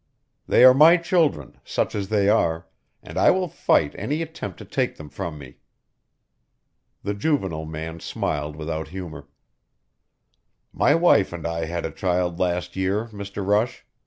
"They are my children such as they are and I will fight any attempt to take them from me." The Juvenile Man smiled without humor. "My wife and I had a child last year, Mr. Rush.